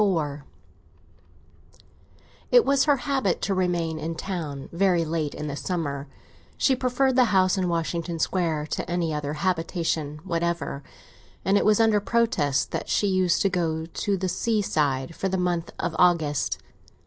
XXXIV IT was her habit to remain in town very late in the summer; she preferred the house in Washington Square to any other habitation whatever, and it was under protest that she used to go to the seaside for the month of August.